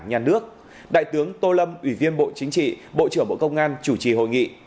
nhà nước đại tướng tô lâm ủy viên bộ chính trị bộ trưởng bộ công an chủ trì hội nghị